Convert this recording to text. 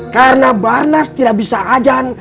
karena barnas tidak bisa ajan